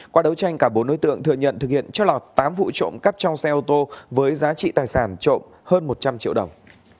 qua đấu tranh cả bốn đối tượng thừa nhận thực hiện trót lọt tám vụ trộm cắp trong xe ô tô với giá trị tài sản trộm hơn một trăm linh triệu đồng